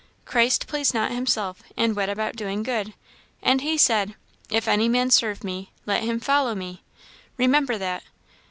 "Christ pleased not himself, and went about doing good; and he said, 'If any man serve me, let him follow me.' Remember that.